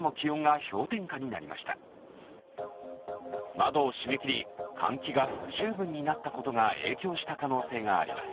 窓を閉め切り、換気が不十分になったことが影響した可能性があります。